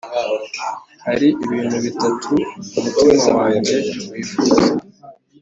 Hari ibintu bitatu umutima wanjye wifuza,